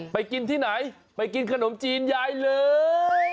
ไปกินที่ไหนไปกินขนมจีนยายเลย